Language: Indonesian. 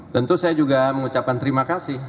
tentu saya juga mengucapkan terima kasih